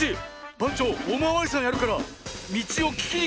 ばんちょうおまわりさんやるからみちをききにきてごらん。